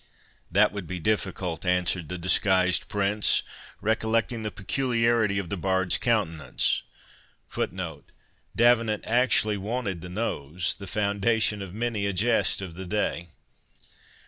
"That would be difficult," answered the disguised Prince, recollecting the peculiarity of the bard's countenance. D'Avenant actually wanted the nose, the foundation of many a jest of the day.